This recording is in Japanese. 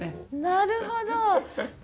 なるほど！